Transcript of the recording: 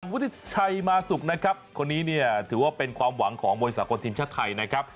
วุฒิชัยมาสุกนะครับคนนี้เนี่ยถือว่าเป็นความหวังของมวยสากลทีมชาติไทยนะครับ